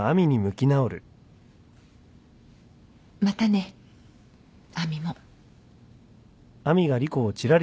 またね亜美も。